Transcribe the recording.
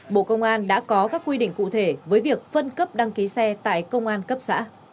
bộ công an đã có các quy định cụ thể với việc phân cấp đăng ký xe tại công an cấp xã